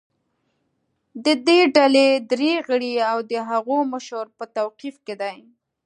د دې ډلې درې غړي او د هغو مشر په توقیف کې دي